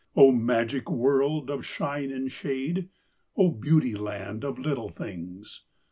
O magic world of shine and shade! O beauty land of Little Things!